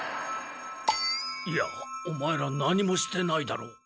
いやオマエら何もしてないだろ。